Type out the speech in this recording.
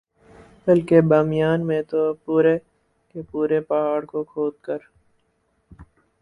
بلکہ بامیان میں تو پورے کے پورے پہاڑ کو کھود کر